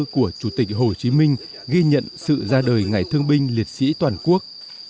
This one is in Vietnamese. của chủ tịch hồ chí minh ghi nhận sự ra đời ngài thương binh liệt sĩ toàn quốc